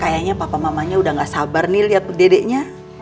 kayaknya papa mamanya udah nggak sabar nih liat bededeknya